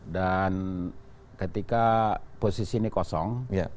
dan ketika posisi ini kosong